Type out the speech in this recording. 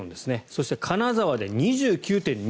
そして、金沢で２９．２度。